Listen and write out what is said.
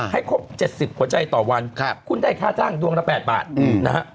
ให้ครบ๗๐หัวใจต่อวันคุณได้ค่าจ้างดวงละ๘บาทนะฮะ